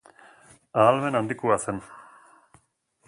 Ahalmen handikoa zen.